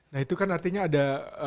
nah itu kan artinya ada